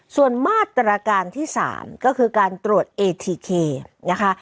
ส่วนมาตรการที่๓ก็คือการตรวจเอทีเคนะคะ